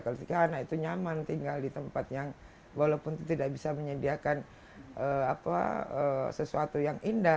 karena itu nyaman tinggal di tempat yang walaupun tidak bisa menyediakan sesuatu yang indah